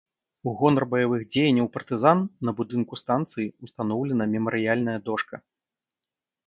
У гонар баявых дзеянняў партызан на будынку станцыі ўстаноўлена мемарыяльная дошка.